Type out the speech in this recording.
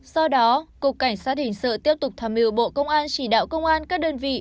do đó cục cảnh sát hình sự tiếp tục tham mưu bộ công an chỉ đạo công an các đơn vị